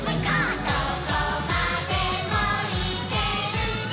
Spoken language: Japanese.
「どこまでもいけるぞ！」